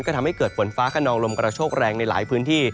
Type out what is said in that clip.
ก็ทำให้เกิดฝนฟ้าขนองลมกระโชคแรงในหลายพื้นที่